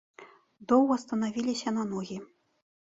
Доўга станавіліся на ногі.